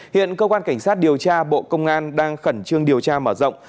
hiện cơ quan cảnh sát điều tra bộ công an đang khẩn trương điều tra mở rộng